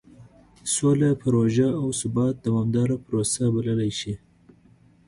سوله پروژه او ثبات دومداره پروسه بللی شي.